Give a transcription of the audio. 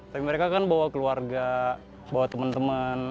tapi mereka kan bawa keluarga bawa teman teman